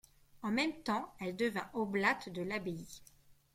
En même temps elle devint oblate de l'abbaye.